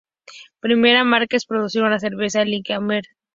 Primera marca en producir una cerveza light: Amstel Light.